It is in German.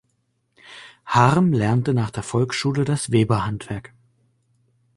Harm lernte nach der Volksschule das Weberhandwerk.